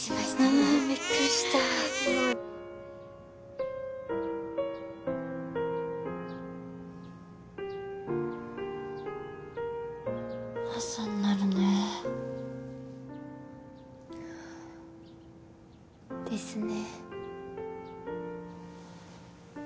うんビックリした朝になるねですね